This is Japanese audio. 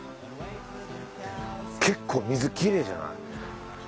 結構水きれいじゃない？